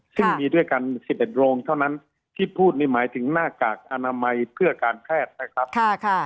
ซึ่งมีด้วยกัน๑๑โรงเท่านั้นที่พูดนี่หมายถึงหน้ากากอนามัยเพื่อการแพทย์นะครับ